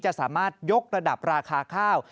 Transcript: จะสามารถยกระดับราคาข้าว